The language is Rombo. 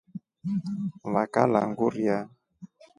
Vakalya ngurya.